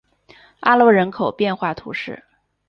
阿罗人口变化图示